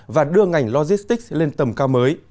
và đưa ngành logistics lên tầm cao mới